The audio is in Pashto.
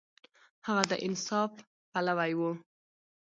هغه د انصاف پلوی و.